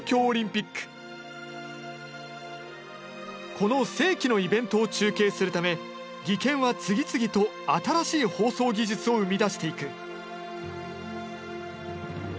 この世紀のイベントを中継するため技研は次々と新しい放送技術を生み出していく。